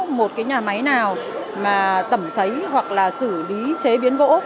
có một cái nhà máy nào mà tẩm sấy hoặc là xử lý chế biến gỗ